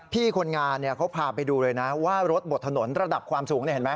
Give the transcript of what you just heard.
พี่คนงานเขาพาไปดูเลยนะว่ารถบดถนนระดับความสูงเห็นไหม